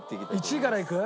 １位からいく？